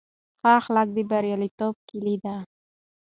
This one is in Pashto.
ښه اخلاق د بریالیتوب کیلي ده.